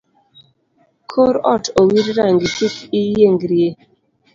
Kor ot owir rangi kik iyiengrie.